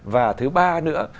và thứ ba nữa